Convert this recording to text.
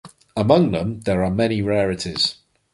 Among them there are many rarities.